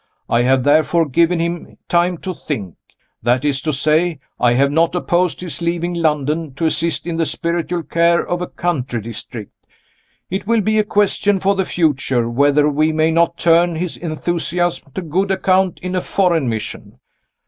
I have therefore given him time to think. That is to say, I have not opposed his leaving London, to assist in the spiritual care of a country district. It will be a question for the future, whether we may not turn his enthusiasm to good account in a foreign mission.